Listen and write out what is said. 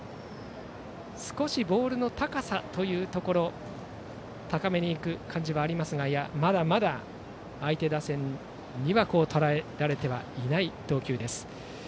少しボールの高さが高めにいく感じもありますがまだまだ相手打線にはとらえられてはいない投球です。